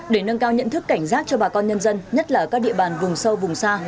để nâng cao nhận thức cảnh giác cho bà con nhân dân nhất là ở các địa bàn vùng sâu vùng xa